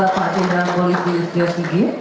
pak indra paulis di sdcg